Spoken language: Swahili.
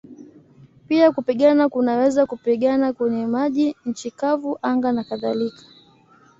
Pia kupigana kunaweza kupigana kwenye maji, nchi kavu, anga nakadhalika.